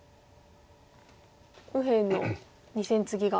右辺の２線ツギが。